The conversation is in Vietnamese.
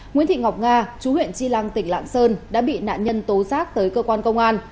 nguyễn thị ngọc nga chú huyện tri lăng tỉnh lạng sơn đã bị nạn nhân tố giác tới cơ quan công an